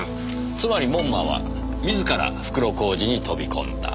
つまり門馬は自ら袋小路に飛び込んだ。